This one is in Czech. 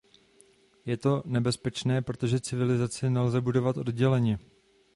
Je to nebezpečné, protože civilizaci nelze budovat odděleně.